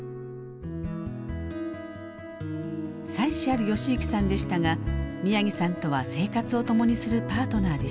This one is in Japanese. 妻子ある吉行さんでしたが宮城さんとは生活を共にするパートナーでした。